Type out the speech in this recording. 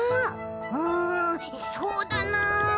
うんそうだな。